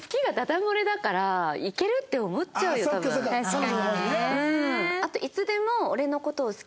確かにね。